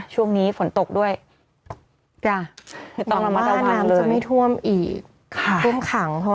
ช่วงนี้ฝนตกด้วยตอนลำบ้านจะไม่ท่วมอีก